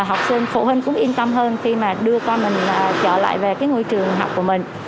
học sinh phụ huynh cũng yên tâm hơn khi mà đưa con mình trở lại về cái ngôi trường học của mình